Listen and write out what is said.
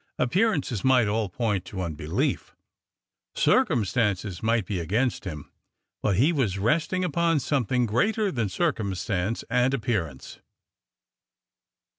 Appearances might all point to unbelief ; circumstances might be against him ; but he was resting upon something greater than circumstance and appearance."